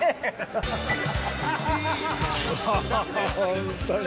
ホントに。